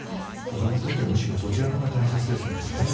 子供にとってはむしろそちらのほうが大切ですもんね。